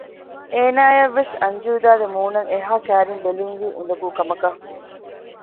އޭނާއަށް ވެސް އަންޖޫދާގެ މޫނަށް އެހާ ކައިރިން ބެލުންވީ އުނދަގޫ ކަމަކަށް